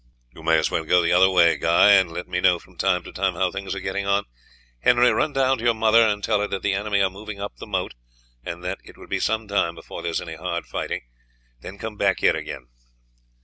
"You may as well go the other way, Guy, and let me know from time to time how things are getting on. Henry, run down to your mother and tell her that the enemy are moving up to the moat, and that it will be some time before there is any hard fighting; then come back here again."